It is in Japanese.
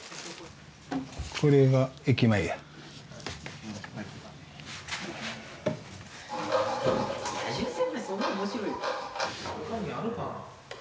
これが駅前や・他にあるかな？